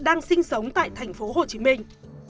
đang sinh sống tại thành phố hồ chí minh